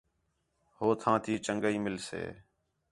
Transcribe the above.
ہو تھاں تی چنڳائی مِلسے